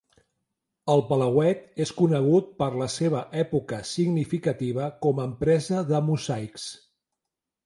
El palauet és conegut per la seva època significativa com a empresa de mosaics.